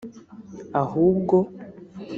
ahubwo